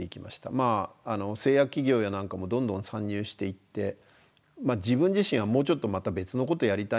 まあ製薬企業やなんかもどんどん参入していって自分自身はもうちょっとまた別のことやりたいなと思ってですね